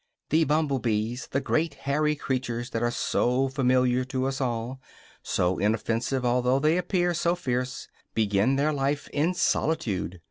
The bumble bees, the great, hairy creatures that are so familiar to us all, so inoffensive although they appear so fierce, begin their life in solitude.